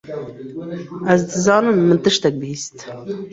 Ez dizanim min tiştek bihîst.